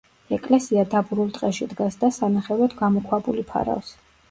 ეკლესია დაბურულ ტყეში დგას და სანახევროდ გამოქვაბული ფარავს.